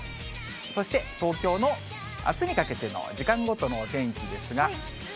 そして東京のあすにかけての時間ごとのお天気ですが。